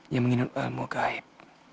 yang mengingat ilmu gaib